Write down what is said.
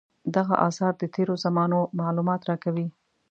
دغه اثار د تېرو زمانو معلومات راکوي.